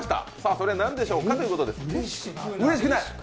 それ、何でしょうかということです